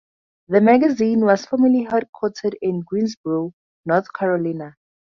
The magazine was formerly headquartered in Greensboro, North Carolina.